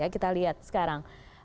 kita lihat sekarang